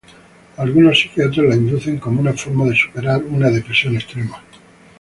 Algunos psiquiatras la inducen como una forma de superar una depresión extrema.